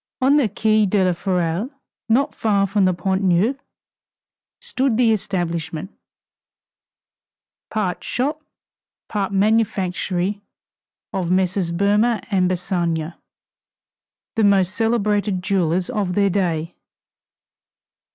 On the Quai de la Ferraille, not far from the Pont Neuf, stood the establishment, part shop, part manufactory, of Messrs. Boehmer & Bassange, the most celebrated jewelers of their day.